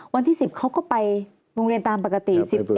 วันที่๑๐เขาก็ไปโรงเรียนตามปกติ